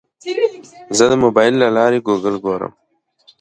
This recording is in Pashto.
زه د موبایل له لارې ګوګل کاروم.